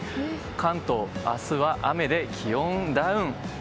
関東、明日は雨で気温ダウン。